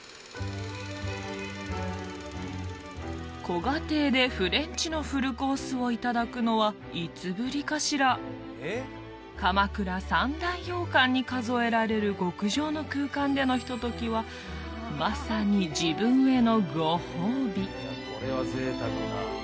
古我邸でフレンチのフルコースをいただくのはいつぶりかしら鎌倉三大洋館に数えられる極上の空間でのひとときはまさに自分へのご褒美